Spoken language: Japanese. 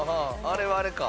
あれはあれか。